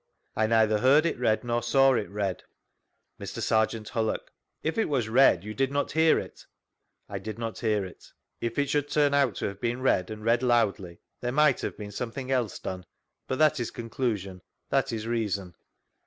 — I neither heard it read nor saw it read. Mr. Serjeant Hullock : If it was read you did not hear it ?— I did not hear it. If it should turn oi^ to have been read, and read loudly, there might have been something else done— but that is condusion— that is reason.